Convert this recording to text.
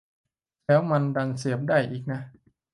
แล้วมันดันเสียบได้อีกนะ